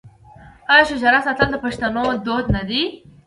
آیا شجره ساتل د پښتنو دود نه دی؟